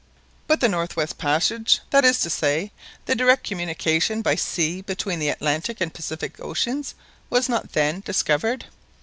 "But the North West Passage that is to say, the direct communication by sea between the Atlantic and Pacific Oceans—was not then discovered?"